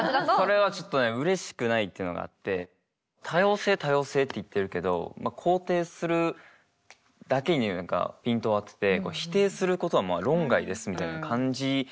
それはちょっとねうれしくないっていうのがあって多様性多様性って言ってるけど肯定するだけに何かピントを当てて「否定することは論外です」みたいな感じに。